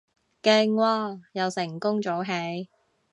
勁喎，又成功早起